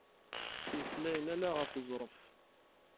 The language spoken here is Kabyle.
Ttmeslayen ala ɣef uẓref.